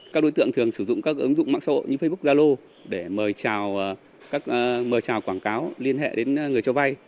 các đối tượng thường sử dụng các ứng dụng mạng sổ như facebook zalo để mời trào quảng cáo liên hệ đến người cho vay